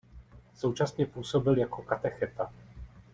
Současně působil jako katecheta.